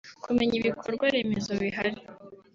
kumenya ibikorwa remezo bihari